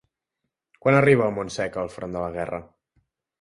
Quan arriba al Montsec el front de la guerra?